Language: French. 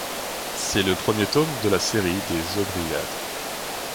C'est le premier tome de la série des Aubreyades.